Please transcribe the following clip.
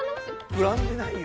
膨らんでないよ。